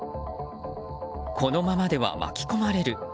このままでは巻き込まれる。